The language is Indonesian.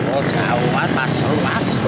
oh jauh pak pasul pasul